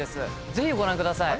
ぜひご覧ください。